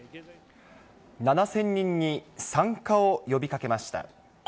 ７０００人に参加を呼びかけました。